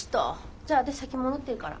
じゃあ私先戻ってるから。